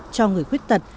cho người khuyết tật